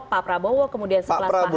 pak prabowo kemudian sekelas pak hajim juga